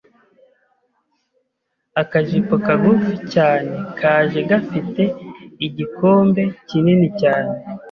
akajipo kagufi cyane kaje gafite igikombe kinini cyane